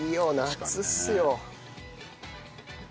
夏っすよ！